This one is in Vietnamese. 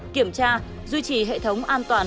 kiểm tra duy trì hệ thống an toàn